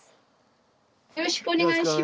よろしくお願いします。